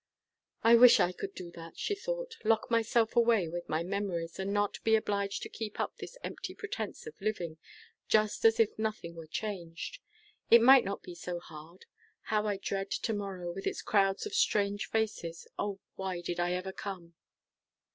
"I wish I could do that," she thought; "lock myself away with my memories, and not be obliged to keep up this empty pretense of living, just as if nothing were changed. It might not be so hard. How I dread to morrow, with its crowds of strange faces! O, why did I ever come?"